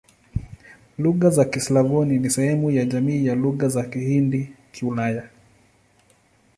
Lugha za Kislavoni ni sehemu ya jamii ya Lugha za Kihindi-Kiulaya.